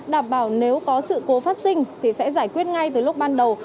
đảm bảo nếu có sự cố phát sinh thì sẽ giải quyết ngay từ lúc ban đầu